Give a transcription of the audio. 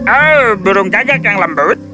oh burung cacak yang lembut